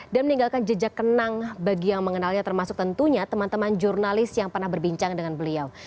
dan meninggalkan jejak kenang bagi yang mengenalnya termasuk tentunya teman teman jurnalis yang pernah berbincang dengan beliau